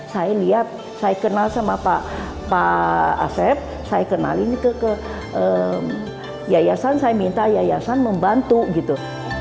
saya lihat saya kenal sama pak asep saya kenalin ke yayasan saya minta yayasan membantu gitu